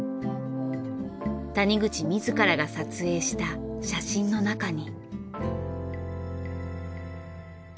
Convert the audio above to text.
谷口自らが撮影した写真の中に。